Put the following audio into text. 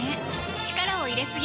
力を入れすぎない